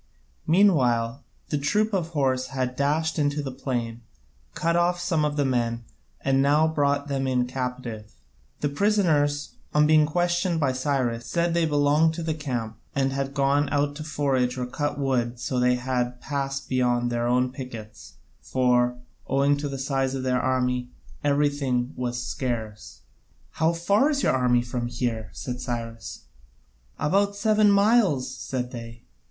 Meanwhile the troop of horse had dashed into the plain, cut off some of the men, and now brought them in captive. The prisoners, on being questioned by Cyrus, said they belonged to the camp and had gone out to forage or cut wood and so had passed beyond their own pickets, for, owing to the size of their army, everything was scarce. "How far is your army from here?" asked Cyrus. "About seven miles," said they.